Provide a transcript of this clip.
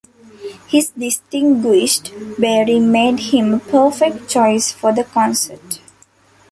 His distinguished bearing made him a perfect choice for the concert.